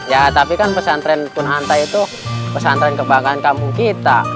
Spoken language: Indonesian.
ya tapi kan pesantren pun hanta itu pesantren kebanggaan kampung kita